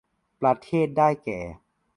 ประเทศได้แก่